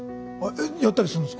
えっやったりするんですか？